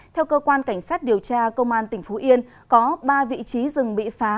theo cơ quan cảnh sát điều tra công an tỉnh phú yên có ba vị trí rừng bị phá